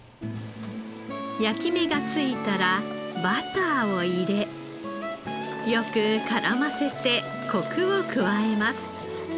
焼き目がついたらバターを入れよく絡ませてコクを加えます。